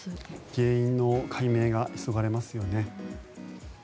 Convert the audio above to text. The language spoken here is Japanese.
原因の解明が急がれますよね。